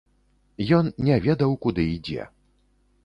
Ён не ведаў, куды ідзе.